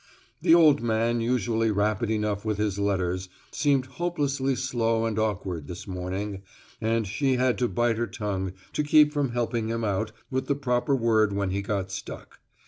The old man, usually rapid enough with his letters, seemed hopelessly slow and awkward this morning, and she had to bite her tongue to keep from helping him out with the proper word when he got stuck.